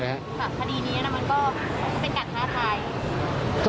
แต่คดีนี้มันก็เป็นการท้าทาย